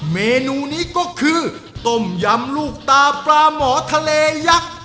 เมนูนี้ก็คือต้มยำลูกตาปลาหมอทะเลยักษ์